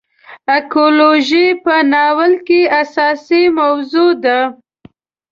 اکولوژي په ناول کې اساسي موضوع ده.